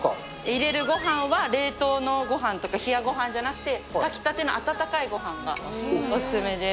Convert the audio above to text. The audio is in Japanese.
入れるごはんは冷凍のごはんとか冷ごはんじゃなくて、炊きたての温かいごはんがお勧めです。